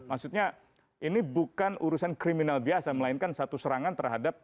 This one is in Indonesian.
maksudnya ini bukan urusan kriminal biasa melainkan satu serangan terhadap